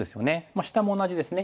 下も同じですね。